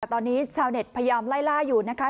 แต่ตอนนี้ชาวเน็ตพยายามไล่ล่าอยู่นะคะ